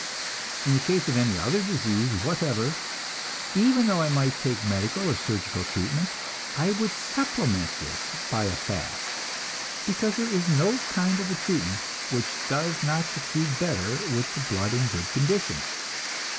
In the case of any other disease whatever, even though I might take medical or surgical treatment, I would supplement this by a fast, because there is no kind of treatment which does not succeed better with the blood in good condition.